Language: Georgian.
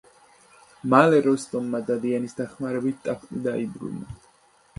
მალე როსტომმა დადიანის დახმარებით ტახტი დაიბრუნა.